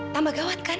tambah gawat kan